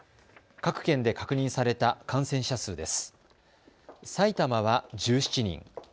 各県で確認された感染者数です。